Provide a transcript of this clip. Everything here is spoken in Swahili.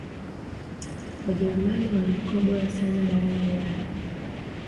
wajerumani walikua bora sana barani ulaya